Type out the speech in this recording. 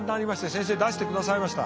先生出してくださいました。